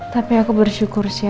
tapi aku bersyukur sih